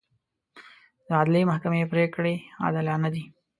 د عدلي محکمې پرېکړې عادلانه دي.